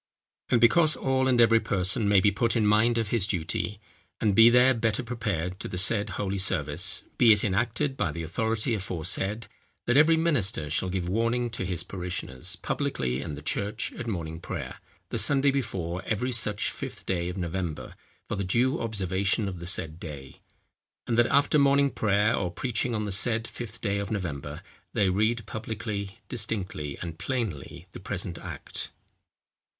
"And because all and every person may be put in mind of his duty, and be there better prepared to the said holy service, be it enacted by the authority aforesaid, that every minister shall give warning to his parishioners, publicly in the church at morning prayer, the Sunday before every such Fifth day of November, for the due observation of the said day. And that after morning prayer or preaching on the said Fifth day of November, they read publicly, distinctly, and plainly, the present Act."